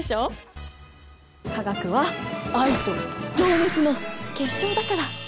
化学は愛と情熱の結晶だから！